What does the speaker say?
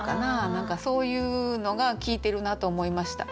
何かそういうのが効いてるなと思いました。